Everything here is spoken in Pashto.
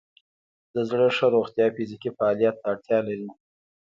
د زړه ښه روغتیا فزیکي فعالیت ته اړتیا لري.